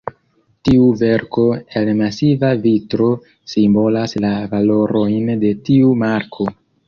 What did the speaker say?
Tiu verko el masiva vitro simbolas la valorojn de tiu marko.